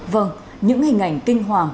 vâng những hình ảnh tinh hoàng